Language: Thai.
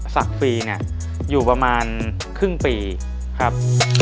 สักฟรีอยู่ประมาณครึ่งปีครับ